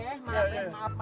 ya makasih ya